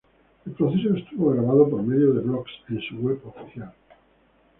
El proceso estuvo grabado por medio de blogs en su web oficial.